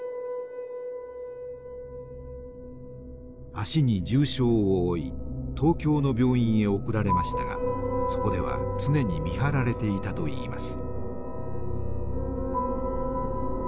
足に重傷を負い東京の病院へ送られましたがそこでは常に見張られていたといいます。